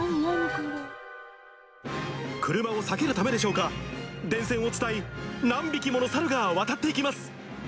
車を避けるためでしょうか、電線を伝い、何匹ものサルが渡っていきます。